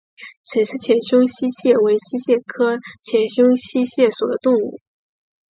沈氏浅胸溪蟹为溪蟹科浅胸溪蟹属的动物。